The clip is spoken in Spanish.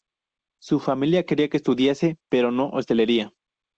Su familia quería que estudiase, pero no hostelería.